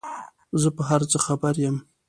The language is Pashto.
زه په هر څه خبر یم ،